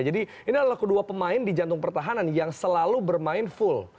jadi ini adalah kedua pemain di jantung pertahanan yang selalu bermain full